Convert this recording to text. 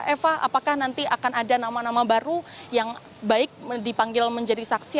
eva apakah nanti akan ada nama nama baru yang baik dipanggil menjadi saksi